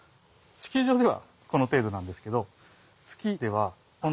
地球上ではこの程度なんですけどへえ。